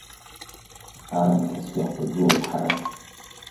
Аамҭа цәгьа ҳҭагылоуп ҳара.